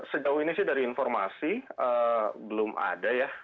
sejauh ini sih dari informasi belum ada ya